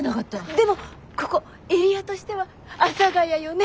でもここエリアとしては阿佐ヶ谷よね？